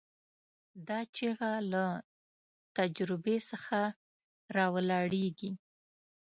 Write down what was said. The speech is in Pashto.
دا چیغه له تجربې څخه راولاړېږي.